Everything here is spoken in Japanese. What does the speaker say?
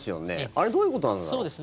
あれはどういうことなんだろう？